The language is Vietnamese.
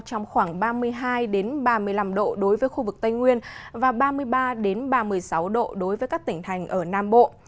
trong khoảng ba mươi hai ba mươi năm độ đối với khu vực tây nguyên và ba mươi ba ba mươi sáu độ đối với các tỉnh thành ở nam bộ